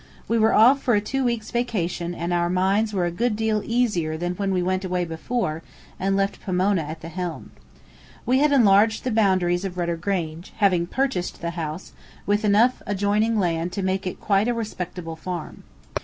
We were off for a two weeks' vacation and our minds were a good deal easier than when we went away before, and left Pomona at the helm. We had enlarged the boundaries of Rudder Grange, having purchased the house, with enough adjoining land to make quite a respectable farm.